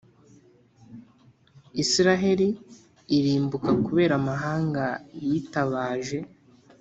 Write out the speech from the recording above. Israheli irimbuka kubera amahanga yitabaje